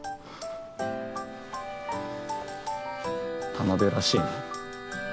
田辺らしいな。